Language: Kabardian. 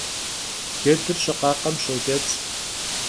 Cedır şıkhakhem şoç'ets'.